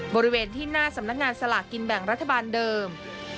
บริเวณที่หน้าสำนักงานสลากกินแบ่งรัฐบาลเดิม